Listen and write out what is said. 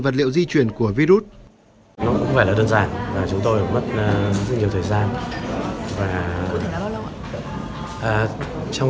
vật liệu di truyền của virus nó cũng không phải là đơn giản chúng tôi mất rất nhiều thời gian trong